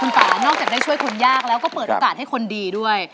ป่านอกจากได้ช่วยคุณยากแล้วก็เปิดโอกาสให้คนดีด้วย